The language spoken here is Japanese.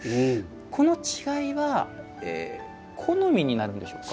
この違いは好みになるんでしょうか。